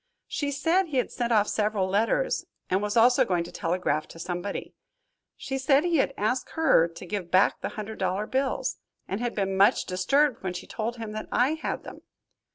She said he had sent off several letters and was also going to telegraph to somebody. She said he had asked her to give back the hundred dollar bills, and had been much disturbed when she told him that I had them.